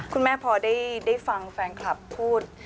คุณแม่พอได้ฟังแฟนคลับพูด